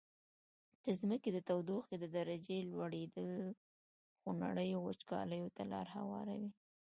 د ځمکي د تودوخي د درجي لوړیدل خونړیو وچکالیو ته لاره هواروي.